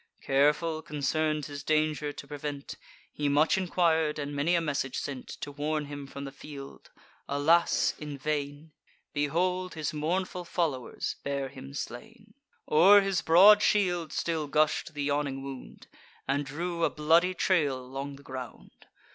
Careful, concern'd his danger to prevent, He much enquir'd, and many a message sent To warn him from the field—alas! in vain! Behold, his mournful followers bear him slain! O'er his broad shield still gush'd the yawning wound, And drew a bloody trail along the ground.